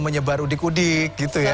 menyebar udik udik gitu ya